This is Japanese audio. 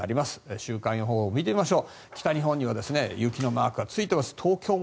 週間予報を見てみましょう。